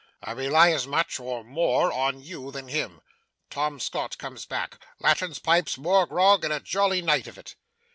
I rely as much, or more, on you than him. Tom Scott comes back. Lantern, pipes, more grog, and a jolly night of it!